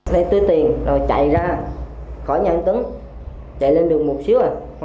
lấy tư tiền rồi chạy ra khỏi nhà anh tấn chạy lên đường một xíu